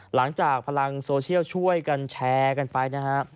หลังจากพลังโซเชียลช่วยกันแชร์กันไปนะฮะ